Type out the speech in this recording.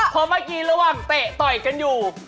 เพราะเมื่อกี้ระหว่างเตะต่อยกันอยู่